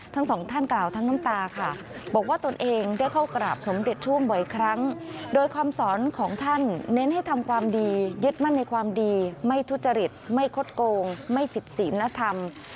ทั้งสองท่านกล่าวทั้งน้ำตาค่ะบอกว่าตนเองได้เข้ากราบสมเด็จช่วงบ่อยครั้งโดยคำสอนของท่านเน้นให้ทำความดียึดมั่นในความดีไม่ทุจริตไม่คดโกงไม่ผิดศีลธรรม